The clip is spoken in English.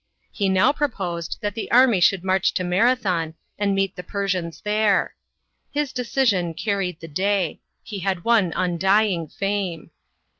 He now proposed that the army should march to Marathon and meet the Persians there. His decision carried the day. He had won undying fame.